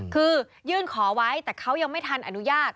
คือยื่นขอไว้แต่เขายังไม่ทันอนุญาต